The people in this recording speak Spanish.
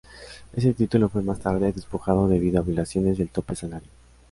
Este título fue más tarde despojado debido a violaciones del tope salarial.